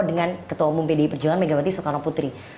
dengan ketua umum pdi perjuangan megawati soekarno putri